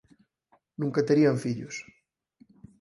Nunca terían fillos.